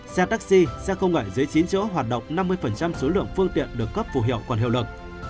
xe taxi xe không gãy dưới chín chỗ hoạt động năm mươi số lượng phương tiện được cấp phù hiệu còn hiệu lực